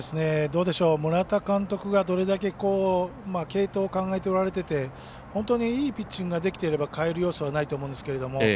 村田監督がどれだけ継投を考えておられてて本当にいいピッチングができていれば代える要素はないと思うんですけど